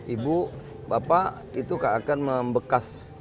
ibu bapak itu akan membekas